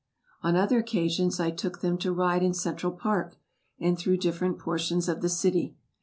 On other occasions, I took them to ride in Central Park, and through different portions of the city.